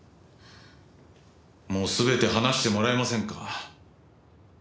もう全て話してもらえませんか？